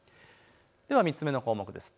３つ目の項目です。